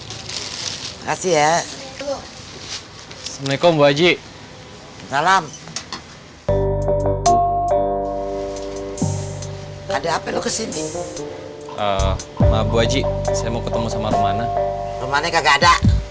hai assalamualaikum bro ai salam ada apa lo kesini bujji ngomong mau ketemu sama manitycast